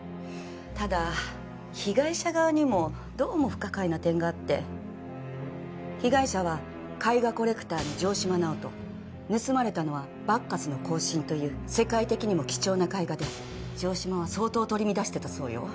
ただ被害者側にもどうも不可解な点があって被害者は絵画コレクターの城島直人盗まれたのは「バッカスの行進」という世界的にも貴重な絵画で城島は相当取り乱してたそうよ